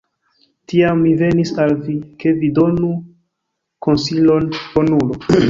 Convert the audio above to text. Tiam mi venis al vi, ke vi donu konsilon, bonulo!